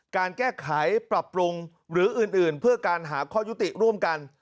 การแก้ไขปรับปรุงหรืออื่นเพื่อการหาข้อยุติร่วมกัน